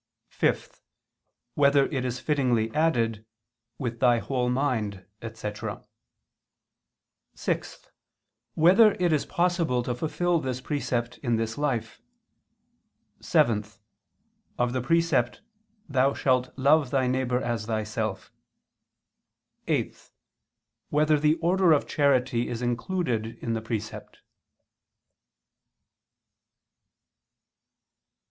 (5) Whether it is fittingly added: "With thy whole mind," etc.? (6) Whether it is possible to fulfil this precept in this life? (7) Of the precept: "Thou shalt love thy neighbor as thyself"; (8) Whether the order of charity is included in the precept?